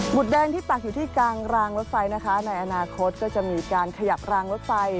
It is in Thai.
แดงที่ตักอยู่ที่กลางรางรถไฟนะคะในอนาคตก็จะมีการขยับรางรถไฟ